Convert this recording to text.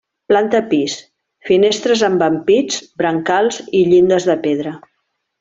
Planta pis: finestres amb ampits, brancals i llindes de pedra.